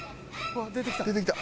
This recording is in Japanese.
出てきた。